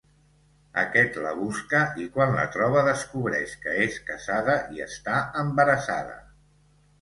Aquest la busca i quan la troba descobreix que és casada i està embarassada.